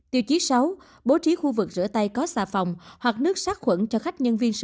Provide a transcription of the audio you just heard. tiêu chí sáu bố trí khu vực rửa tay có xà phòng hoặc nước sát khuẩn cho khách nhân viên sinh